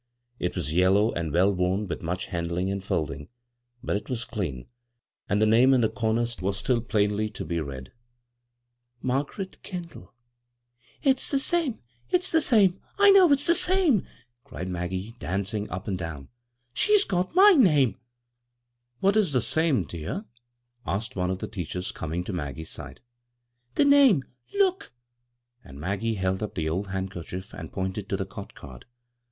It was yellow, and well worn with much handling and folding ; but it was clean, and the name in the comer was still [^nly to be read, " Margaret Kendall." " It's the same, if s the same — I know it's the same I " cried Maggie, dancing up and down. " She's got my name 1 "" What is the same, dear ?" asked one of the teachers, coming to Maggie's side. " The name — look !" And Maggie held up the old handkerchief and pointed to the cot card.